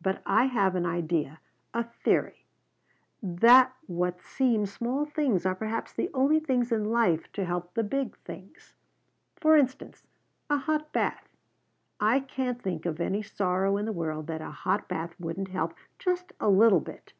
But I have an idea, a theory, that what seem small things are perhaps the only things in life to help the big things. For instance, a hot bath. I can't think of any sorrow in the world that a hot bath wouldn't help, just a little bit."